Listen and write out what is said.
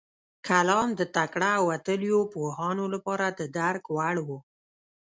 کلام د تکړه او وتلیو پوهانو لپاره د درک وړ و.